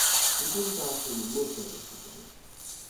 mi tu li tawa sewi mute lon sike ni.